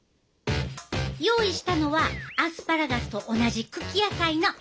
用意したのはアスパラガスと同じ茎野菜のセロリ。